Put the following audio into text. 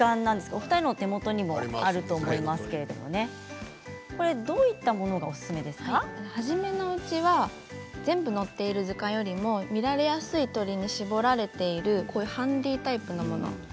お二人の手元にもあると思いますけれどもどういったものが初めのうちは全部載っている図鑑よりも見られやすい鳥に絞られているハンディータイプのもの。